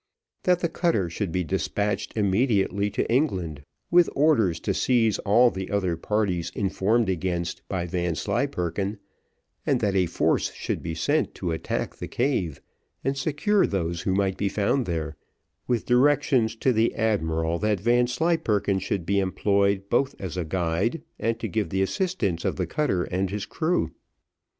That the cutter should be despatched immediately to England, with orders to seize all the other parties informed against by Vanslyperken, and that a force should be sent to attack the cave, and secure those who might be found there, with directions to the admiral, that Mr Vanslyperken should be employed both as a guide, and to give the assistance of the cutter and his crew.